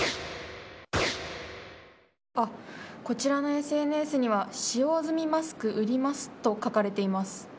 こちらのＳＮＳには使用済みマスク売りますと書かれています。